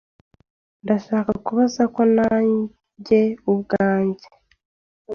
Ndashaka kubaza ko nawenjye ubwanjye.